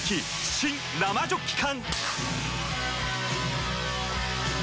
新・生ジョッキ缶！